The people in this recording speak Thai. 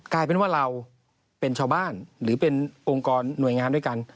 กลายเป็นว่าเราเป็นชาวบ้านหรือเป็นองค์กรหน่วยงานด้วยกัน